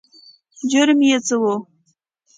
جرم یې څه و؟